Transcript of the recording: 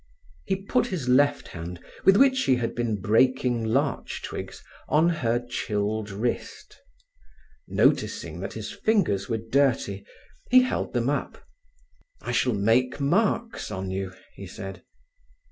He put his left hand, with which he had been breaking larch twigs, on her chilled wrist. Noticing that his fingers were dirty, he held them up. "I shall make marks on you," he said.